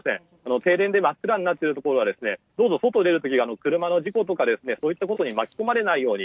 停電で真っ暗になっているところは外を出る時は車の事故とかそういったことに巻き込まれないように。